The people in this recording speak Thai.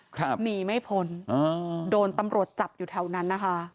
หนีไม่พ้นอ่าโดนตำรวจจับอยู่แถวนั้นนะคะ